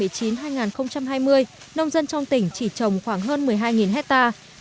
nhiên vụ hai nghìn một mươi chín hai nghìn hai mươi nông dân trong tỉnh chỉ trồng khoảng hơn một mươi hai hectare